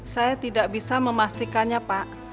saya tidak bisa memastikannya pak